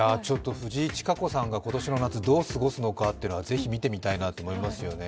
フジイチカコさんが今年の夏、どう過ごすのかはぜひ見てみたいなと思いますよね。